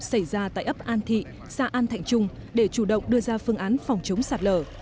xảy ra tại ấp an thị xã an thạnh trung để chủ động đưa ra phương án phòng chống sạt lở